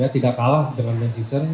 tidak kalah dengan men season